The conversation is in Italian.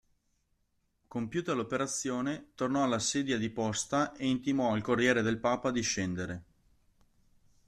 Compiuta l'operazione, tornò alla sedia di posta e intimò al Corriere del Papa di scendere.